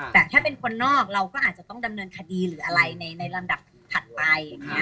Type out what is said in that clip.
แต่ถ้าเป็นคนนอกเราก็อาจจะต้องดำเนินคดีหรืออะไรในลำดับถัดไปอย่างนี้